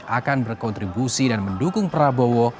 akan berkontribusi dan mendukung prabowo